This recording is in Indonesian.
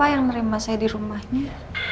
yang menerima saya di rumahnya